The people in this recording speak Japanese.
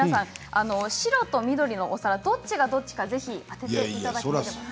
白と緑のお皿どっちがどっちかぜひ当てていただきたいです。